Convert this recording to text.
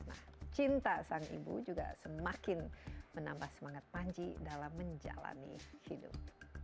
nah cinta sang ibu juga semakin menambah semangat panji dalam menjalani hidup